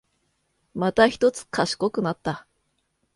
またひとつ賢くなった